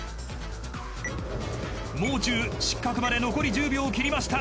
［もう中失格まで残り１０秒を切りました］